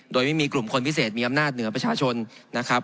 โดยไม่มีกลุ่มคนพิเศษมีอำนาจเหนือประชาชนนะครับ